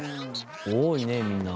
多いねみんな。